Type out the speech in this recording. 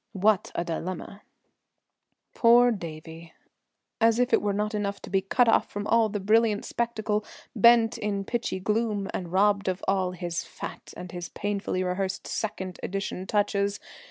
What a dilemma! Poor Davie! As if it was not enough to be cut off from all the brilliant spectacle, pent in pitchy gloom and robbed of all his "fat" and his painfully rehearsed "second edition" touches.